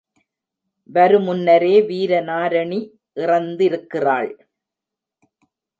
வருமுன்னரே வீரநாரணி இறந்திருக்கிறாள்.